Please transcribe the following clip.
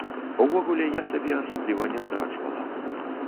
Увогуле, я сабе асабліва не здраджвала.